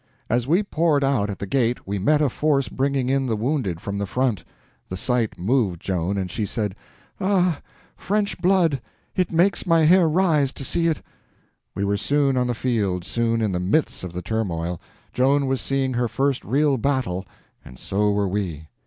As we poured out at the gate we met a force bringing in the wounded from the front. The sight moved Joan, and she said: "Ah, French blood; it makes my hair rise to see it!" We were soon on the field, soon in the midst of the turmoil. Joan was seeing her first real battle, and so were we.